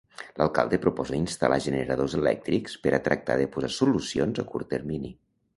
L'alcalde proposa instal·lar generadors elèctrics per a tractar de posar solucions a curt termini.